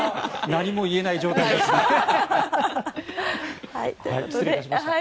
何も言えない状態ですね。